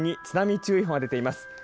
津波注意報が出ています。